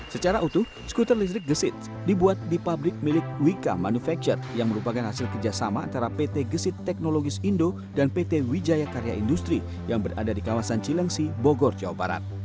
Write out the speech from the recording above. secara utuh skuter listrik gesit dibuat di pabrik milik wika manufacture yang merupakan hasil kerjasama antara pt gesit teknologis indo dan pt wijaya karya industri yang berada di kawasan cilengsi bogor jawa barat